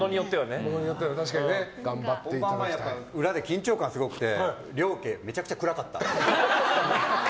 裏で緊張感すごくて両家めちゃくちゃ暗かった。